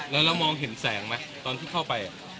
แล้วเรามองเห็นแสงไหมตอนที่เข้าไป